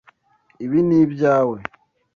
Ibi ni ibyawe.